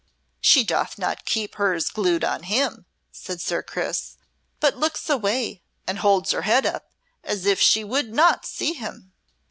"She doth not keep hers glued on him," said Sir Chris, "but looks away and holds her head up as if she would not see him."